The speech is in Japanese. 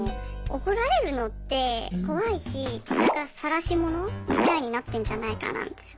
怒られるのって怖いしさらし者みたいになってんじゃないかなみたいな。